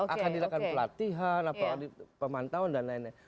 akan dilakukan pelatihan atau pemantauan dan lain lain